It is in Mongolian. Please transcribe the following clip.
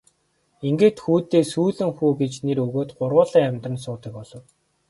Ингээд хүүдээ Сүүлэн хүү гэж нэр өгөөд гурвуулаа амьдран суудаг болов.